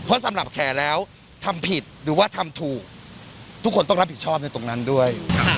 เพราะสำหรับแขแล้วทำผิดหรือว่าทำถูกทุกคนต้องรับผิดชอบในตรงนั้นด้วย